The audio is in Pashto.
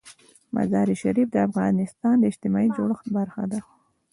مزارشریف د افغانستان د اجتماعي جوړښت برخه ده.